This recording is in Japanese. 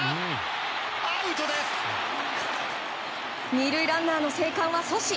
２塁ランナーの生還は阻止。